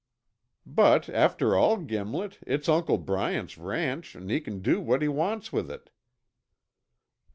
"But after all, Gimlet, it's Uncle Bryant's ranch and he can do what he wants with it."